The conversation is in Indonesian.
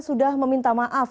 sudah meminta maaf